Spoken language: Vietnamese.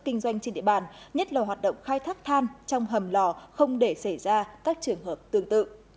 kinh doanh trên địa bàn nhất là hoạt động khai thác than trong hầm lò không để xảy ra các trường hợp tương tự